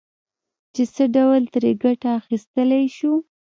چې څه ډول ترې ګټه اخيستلای شو.